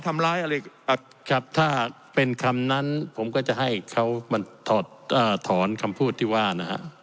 อะไรครับถ้าเป็นคำนั้นผมก็จะให้เขามาถอดถอนคำพูดที่ว่านะฮะ